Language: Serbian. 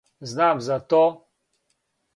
Знам за то!